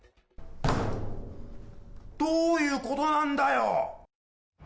どういうことなんだよ！